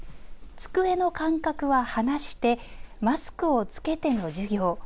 机の間隔は離して、マスクを着けての授業。